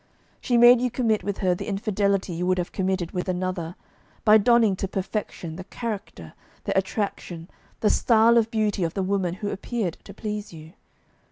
She made you commit with her the infidelity you would have committed with another, by donning to perfection the character, the attraction, the style of beauty of the woman who appeared to please you.